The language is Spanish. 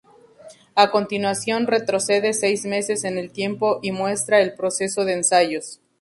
A continuación retrocede seis meses en el tiempo, y muestra el proceso de ensayos.